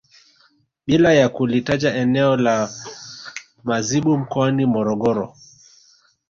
Bila ya kulitaja eneo la Mazimbu mkoani Morogoro